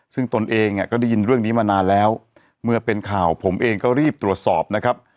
ซึ่งตนเองก็ได้ยินเรื่องนี้มานานแล้วเมื่อเป็นข่าวผมเองก็รีบตรวจสอบนะครับ